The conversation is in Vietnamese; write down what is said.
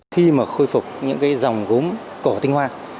khi mà khôi phục những cái dòng gốm cổ tinh hoa